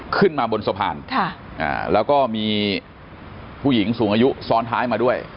ขึ้นมาบนสะพานแล้วก็มีผู้หญิงสูงอายุซ้อนท้ายมาด้วย